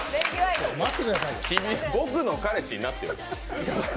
「僕の彼女になってよ」。